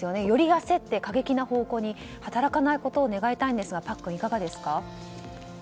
より焦って過激な方向に働かないことを願いたいんですがパックン、いかがですか？